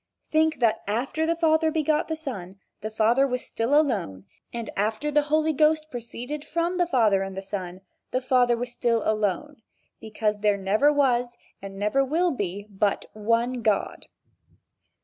Think that after the father begot the son, the father was still alone, and after the Holy Ghost proceeded from the father and the son, the father was still alone because there never was and never will be but one God.